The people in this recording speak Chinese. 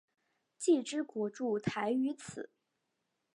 既之国筑台于此。